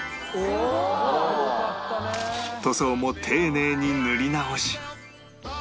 塗装も丁寧に塗り直し